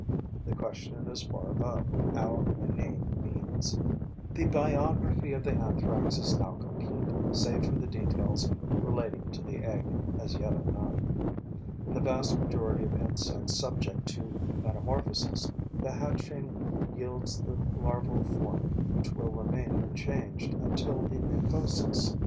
The question is far above, our inane means. The biography of the Anthrax is now complete, save for the details relating to the egg, as yet unknown. In the vast majority of insects subject to metamorphoses, the hatching yields the larval form which will remain unchanged until the nymphosis.